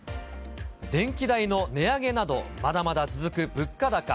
電気代の値上げなど、まだまだ続く物価高。